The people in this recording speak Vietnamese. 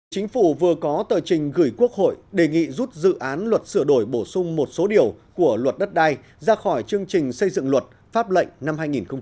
chính phủ vừa có tờ trình gửi quốc hội đề nghị rút dự án luật sửa đổi bổ sung một số điều của luật đất đai ra khỏi chương trình xây dựng luật pháp lệnh năm hai nghìn một mươi chín